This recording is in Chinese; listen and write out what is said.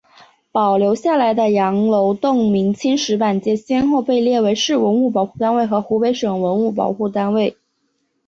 保留下来的羊楼洞明清石板街先后被列为市文物保护单位和湖北省文物保护单位。